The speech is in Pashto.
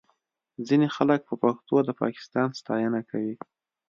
ځینې خلک په پښتو د پاکستان ستاینه کوي